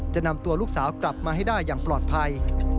จะนำตัวลูกสาวกลับมาให้ได้อย่างปลอดภัย